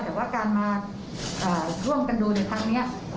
แต่ว่าการมาร่วมกันดูแบบนี้